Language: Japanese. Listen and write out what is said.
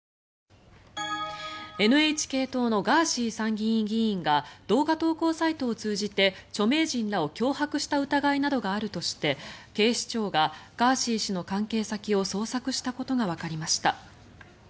ＮＨＫ党のガーシー参議院議員が動画投稿サイトを通じて著名人らを脅迫した疑いなどがあるとして警視庁がガーシー氏の関係先を捜索したことがわかりました。